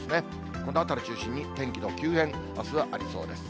この辺り中心に天気の急変、あすはありそうです。